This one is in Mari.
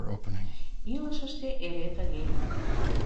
Илышыште эре тыге.